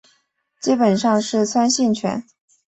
基本上是酸性泉。